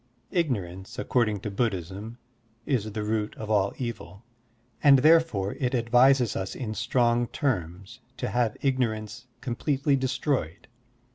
Ignorance, according to Buddhism, is the root of all evil, and therefore it advises us in strong terms to have ignorance completely destroyed.